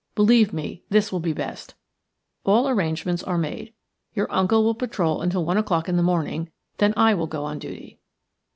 Believe me, this will be best. All arrangements are made. Your uncle will patrol until one o'clock in the morning, then I will go on duty."